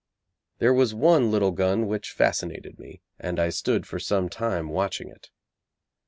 There was one little gun which fascinated me, and I stood for some time watching it.